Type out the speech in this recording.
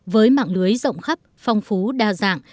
với mạng lưới rộng khắp phong phú đa dạng